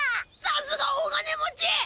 さすが大金持ち！